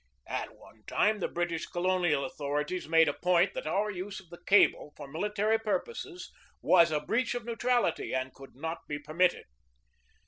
At one time the British colonial authori ties made a point that our use of the cable for mili tary purposes was a breach of neutrality and could not be permitted.